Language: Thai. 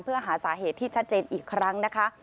เพื่อหาสาเหตุที่ชัดเจนอีกครั้งนะคะ